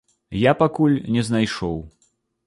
Я пакуль не знайшоў.